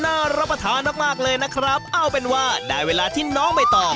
รับประทานมากมากเลยนะครับเอาเป็นว่าได้เวลาที่น้องใบตอง